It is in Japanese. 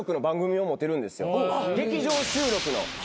劇場収録の。